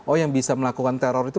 oh yang bisa melakukan teror itu